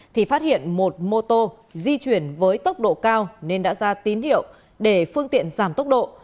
thì phát hiện một mô tô di chuyển với tốc độ cao nên đã ra tín hiệu để phương tiện giảm tốc độ